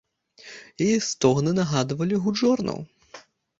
Яе стогны нагадвалі гуд жорнаў.